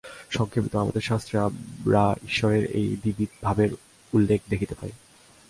সংক্ষেপত আমাদের শাস্ত্রে আমরা ঈশ্বরের এই দ্বিবিধ ভাবের উল্লেখ দেখিতে পাই।